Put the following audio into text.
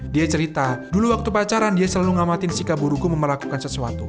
dia cerita dulu waktu pacaran dia selalu ngamatin si kaburku melakukan sesuatu